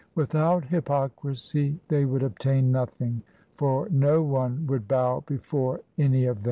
Without hypocrisy they would obtain nothing, For no one would bow before any of them.